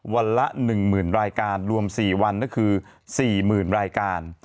วันละ๑๐๐๐รายการรวม๔วันก็คือ๔๐๐๐รายการ